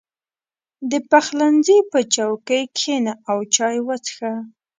• د پخلنځي په چوکۍ کښېنه او چای وڅښه.